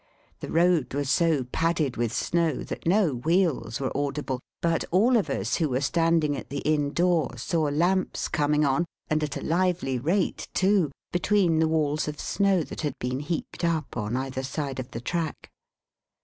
The road was so padded with snow that no wheels were audible; but all of us who were standing at the Inn door saw lamps coming on, and at a lively rate too, between the walls of snow that had been heaped up on either side of the track.